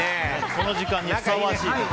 この時間にふさわしい。